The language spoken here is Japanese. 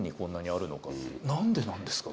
何でなんですか？